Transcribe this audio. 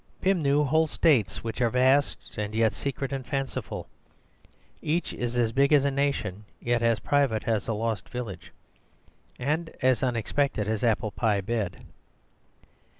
Pym knew whole States which are vast and yet secret and fanciful; each is as big as a nation yet as private as a lost village, and as unexpected as an apple pie bed.